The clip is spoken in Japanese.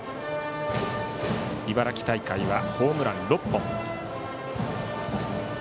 茨城大会はホームラン６本。